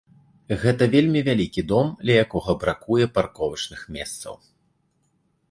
Гэта вельмі вялікі дом, ля якога бракуе парковачных месцаў.